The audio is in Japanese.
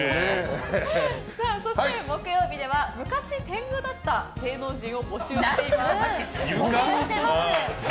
木曜日では昔、天狗だった芸能人を募集しています。